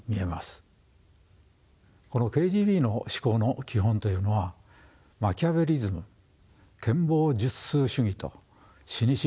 このＫＧＢの思考の基本というのはマキャベリズム権謀術数主義とシニシズム没